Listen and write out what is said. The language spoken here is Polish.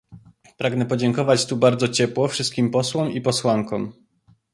Pragnę podziękować tu bardzo ciepło wszystkim posłom i posłankom